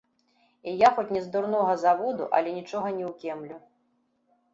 І я, хоць не з дурнога заводу, але нічога не ўкемлю.